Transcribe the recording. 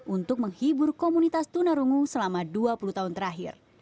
untuk menghibur komunitas tunarungu selama dua puluh tahun terakhir